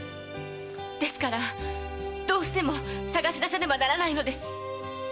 ですからどうしても捜し出さねばならないのです。